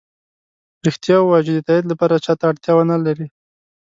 ریښتیا ؤوایه چې د تایید لپاره چا ته اړتیا ونه لری